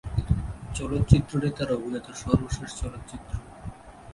চলচ্চিত্রটি তার অভিনীত সর্বশেষ চলচ্চিত্র।